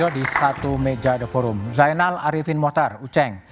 di satu meja the forum zainal arifin mohtar uceng